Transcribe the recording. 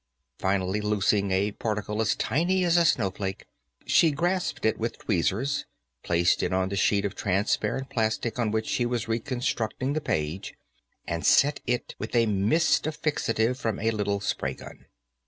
Finally, loosening a particle as tiny as a snowflake, she grasped it with tweezers, placed it on the sheet of transparent plastic on which she was reconstructing the page, and set it with a mist of fixative from a little spraygun.